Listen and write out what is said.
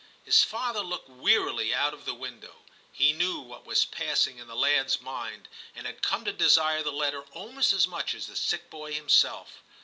His father looked wearily out of the window ; he knew what was pass ing in the lad*s mind, and had come to desire the letter almost as much as the sick boy himself.